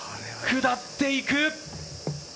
下っていく。